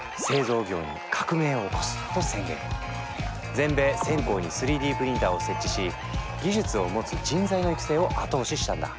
全米１０００校に３Ｄプリンターを設置し技術を持つ人材の育成を後押ししたんだ。